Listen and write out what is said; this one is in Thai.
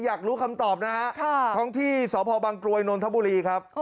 อยากรู้คำตอบนะฮะท้องที่สพบังกรวยนนทบุรีครับ